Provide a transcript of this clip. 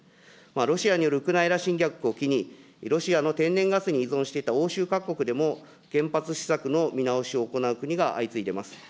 ロシアによるウクライナ侵略を機に、ロシアの天然ガスに依存していた欧州各国でも、原発施策の見直しを行う国が相次いでます。